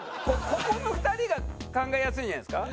ここの２人が考えやすいんじゃないですか？